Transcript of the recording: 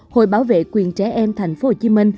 hội bảo vệ quyền trẻ em tp hcm